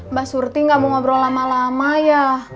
mbak surti nggak mau ngobrol lama lama ya